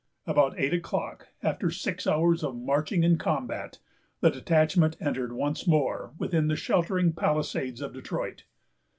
About eight o'clock, after six hours of marching and combat, the detachment entered once more within the sheltering palisades of Detroit.